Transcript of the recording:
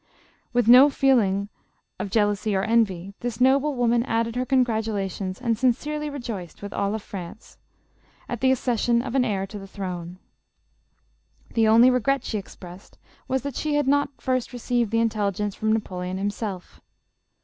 With no feeling of jeal JOSEPHINE. 263 ousy or envy, this noble woman added her con gratulations and sincerely rejoiced with all France, at the accession of an heir to the throne. The only re gret she expressed was, that she had not first received the intelligence from Napoleon himself.